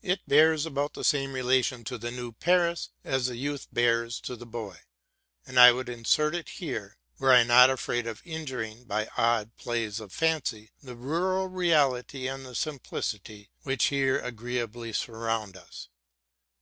It bears about the same relation to '* The New Paris'? as the youth bears to the boy; and I would insert it here, were I not afraid of injuring, by odd plays of fancy. the rural quality and simplicity which here agreeably surround us.